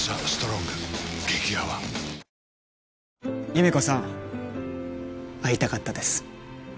優芽子さん会いたかったです